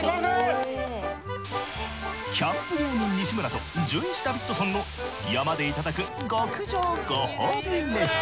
キャンプ芸人西村とじゅんいちダビッドソンの山でいただく極上ご褒美飯。